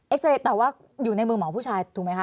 ซาเรย์แต่ว่าอยู่ในมือหมอผู้ชายถูกไหมคะ